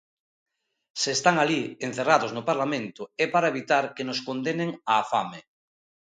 Se están alí, encerrados no Parlamento, é para evitar que nos condenen á fame.